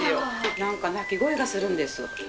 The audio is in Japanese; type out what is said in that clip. なんか、鳴き声がするんですよ。